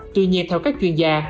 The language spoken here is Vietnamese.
tuy nhiên theo các chuyên gia